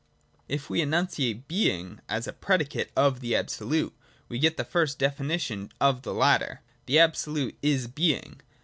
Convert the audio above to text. If we enunciate Being as a predicate of the Absolute, we get the first definition of the latter. The Absolute is Being.